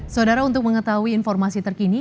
saudara untuk mengetahui informasi terkini